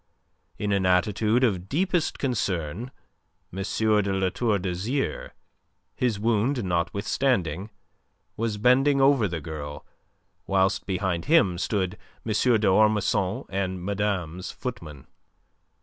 In an attitude of deepest concern, M. de La Tour d'Azyr, his wound notwithstanding, was bending over the girl, whilst behind him stood M. d'Ormesson and madame's footman.